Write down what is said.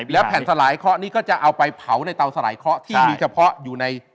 และแผ่นสลายเคาะนี้ก็จะเอาไปเผาในเตาสลายเคาะ